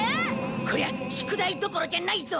こりゃ宿題どころじゃないぞ！